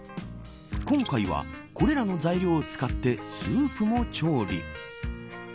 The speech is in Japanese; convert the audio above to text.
今回は、これらの材料を使ってスープも調理。